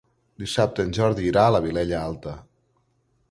Dissabte en Jordi irà a la Vilella Alta.